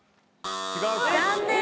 残念！